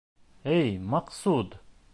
— Эй, Мәҡсүд!